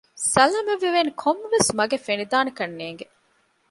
ސަލާމަތްވެވޭނެ ކޮންމެވެސް މަގެއް ފެނިދާނެކަންނޭނގެ